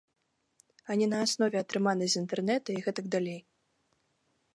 А не на аснове атрыманай з інтэрнэта і гэтак далей.